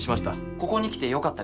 ここに来てよかったです。